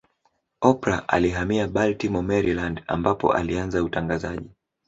Oprah alihamia Baltimore Maryland ambapo alianza utangazaji